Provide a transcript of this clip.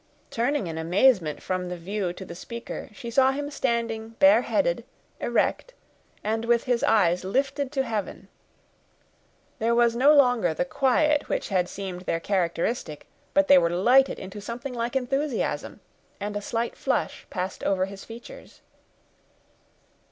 Turning in amazement from the view to the speaker, she saw him standing bareheaded, erect, and with his eyes lifted to heaven. There was no longer the quiet which had seemed their characteristic, but they were lighted into something like enthusiasm, and a slight flush passed over his features.